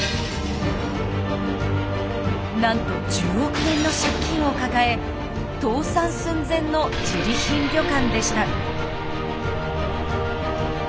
なんと１０億円の借金を抱え倒産寸前のジリ貧旅館でした。